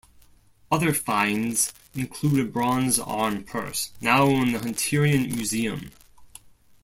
Other finds include a bronze arm purse, now in the Hunterian Museum.